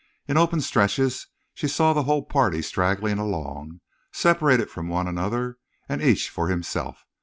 In open stretches she saw the whole party straggling along, separated from one another, and each for himself.